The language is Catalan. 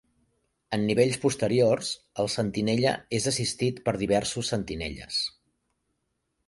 En nivells posteriors, el Sentinella és assistit per diversos "Sentinelles".